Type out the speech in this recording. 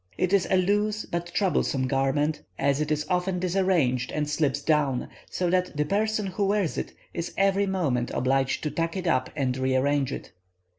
It is a loose but troublesome garment, as it is often disarranged and slips down, so that the person who wears it is every moment obliged to tuck it up and rearrange it.